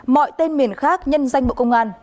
mọi tên miền khác nhân danh bộ công an